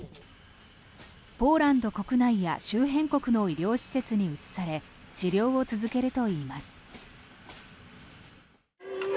ポーランド国内や周辺国の医療施設に移され治療を続けるといいます。